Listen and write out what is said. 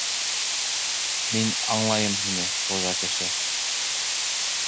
Мин аңлайым һине, хужа кеше!